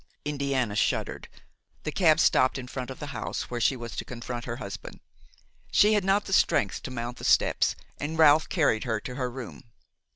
Indiana shuddered. The cab stopped in front of the house where she was to confront her husband. She had not the strength to mount the steps and Ralph carried her to her room.